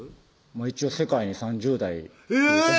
一応世界に３０台えぇ！